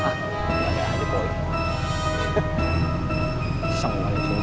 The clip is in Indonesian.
seng gue orangnya sendiri sendirian